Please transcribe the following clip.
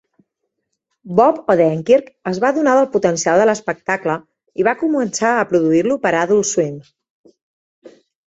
Bob Odenkirk es va adonar del potencial de l"espectable i va començar a produir-lo per Adult Swim.